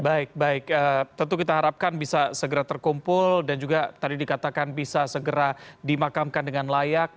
baik baik tentu kita harapkan bisa segera terkumpul dan juga tadi dikatakan bisa segera dimakamkan dengan layak